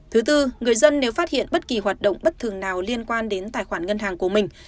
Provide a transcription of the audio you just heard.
thứ tư người dân nếu phát hiện bất kỳ hoạt động bất thường nào liên quan đến tài khoản ngân hàng của mình